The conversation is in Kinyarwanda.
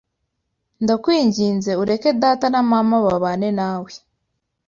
ndakwinginze ureke data na mama babane nawe